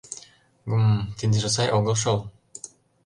Гм... тидыже сай огыл шол...